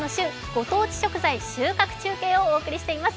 ご当地食材収穫中継」をお送りしています。